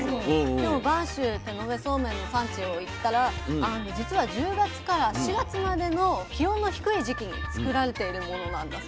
でも播州手延べそうめんの産地を行ったら実は１０月から４月までの気温の低い時期に作られているものなんだそうです。